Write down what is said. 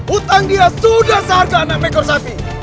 utang dia sudah seharga anak mekor sapi